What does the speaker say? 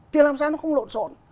thì làm sao nó không lộn rộn